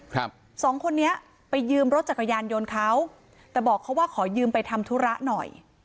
สองคนนี้ไปยืมรถจักรยานยนต์เขาแต่บอกเขาว่าขอยืมไปทำธุระหน่อย